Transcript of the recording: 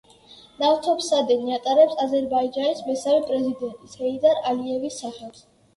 ნავთობსადენი ატარებს აზერბაიჯანის მესამე პრეზიდენტის ჰეიდარ ალიევის სახელს.